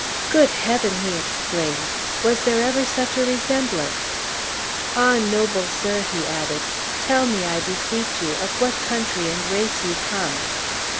"Good Heaven!" he exclaimed, "was there ever such a resemblance? Ah, noble sir," he added, "tell me, I beseech you, of what country and race you come?"